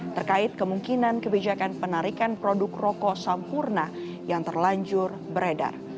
terkait kemungkinan kebijakan penarikan produk rokok sampurna yang terlanjur beredar